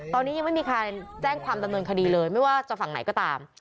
ตอนนี้ยังไม่มีใครแจ้งความดำเนินคดีเลยไม่ว่าจะฝั่งไหนก็ตาม